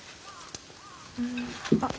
あっ。